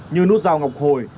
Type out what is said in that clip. như nút giao ngọc hồi